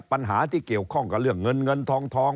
ปัญหาที่เกี่ยวข้องกับเรื่องเงินเงินทอง